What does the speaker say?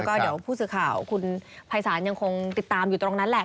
ก็เดี๋ยวผู้สื่อข่าวคุณภัยศาลยังคงติดตามอยู่ตรงนั้นแหละ